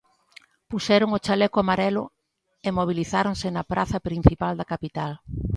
Puxeron o chaleco amarelo e mobilizáronse na praza principal da capital.